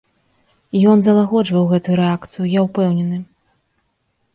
Ён залагоджваў гэтую рэакцыю, я ўпэўнены.